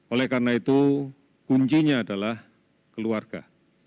oleh karena itu kuncinya adalah keluarga